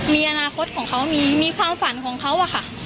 มีอนาคตของเขามีมีความฝันของเขาอะค่ะ